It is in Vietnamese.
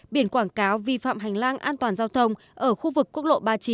biển quảng cáo vi phạm hành lang an toàn giao thông ở khu vực quốc lộ ba mươi chín